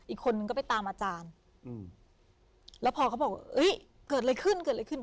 อีกคนนึงก็ไปตามอาจารย์อืมแล้วพอเขาบอกว่าเอ้ยเกิดอะไรขึ้นเกิดอะไรขึ้น